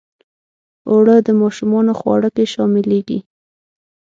اوړه د ماشومانو خواړه کې شاملیږي